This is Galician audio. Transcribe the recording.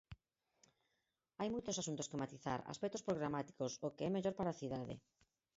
Hai moitos asuntos que matizar, aspectos programáticos, o que é mellor para a cidade.